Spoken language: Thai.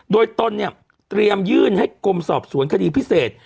โดยตนเนี่ยเตรียมยื่นให้กรมสอบสวนคดีพิเศษ